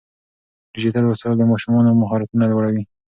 ډیجیټل وسایل د ماشومانو مهارتونه لوړوي.